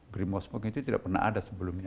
green mosque mungkin itu tidak pernah ada sebelumnya